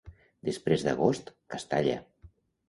Després d'agost, Castalla.